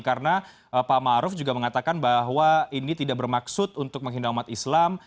karena pak ma'ruf juga mengatakan bahwa ini tidak bermaksud untuk menghina umat islam